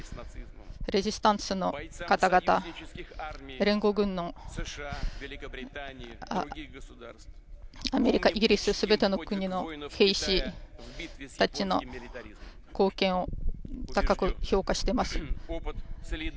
レジスタンスの方々、連合軍のアメリカ、イギリスすべての国の兵士たちの貢献を高く評価しています。